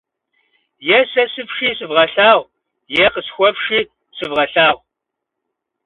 Е сэ сыфши сывгъэлъагъу, е къысхуэфши сывгъэлъагъу.